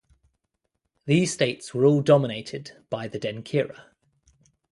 These states were all dominated by the Denkyira.